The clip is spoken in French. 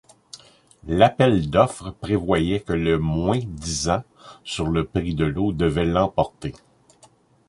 L’appel d’offres prévoyait que le moins disant sur le prix de l’eau devait l’emporter.